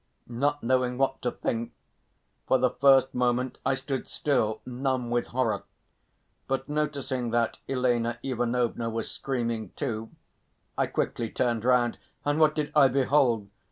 Not knowing what to think, for the first moment I stood still, numb with horror, but noticing that Elena Ivanovna was screaming too, I quickly turned round and what did I behold!